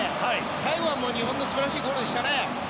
最後は日本の素晴らしいゴールでしたね。